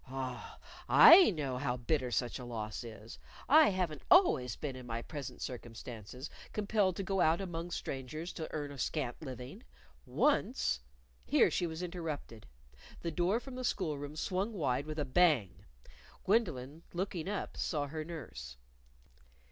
Ah, I know how bitter such a loss is! I haven't always been in my present circumstances, compelled to go out among strangers to earn a scant living. Once " Here she was interrupted. The door from the school room swung wide with a bang. Gwendolyn, looking up, saw her nurse.